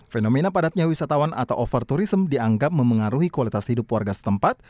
fenomena padatnya wisatawan atau over tourism dianggap memengaruhi kualitas hidup warga setempat